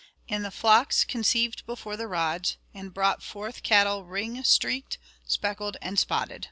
And the flocks conceived before the rods, and brought forth cattle ringstreaked, speckled and spotted."